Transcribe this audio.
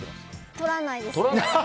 取らないです。